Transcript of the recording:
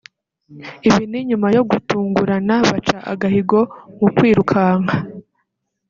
Ibi ni nyuma yo gutungurana baca agahigo mu kwirukanka